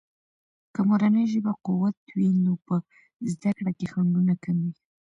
که مورنۍ ژبه قوية وي، نو په زده کړه کې خنډونه کم وي.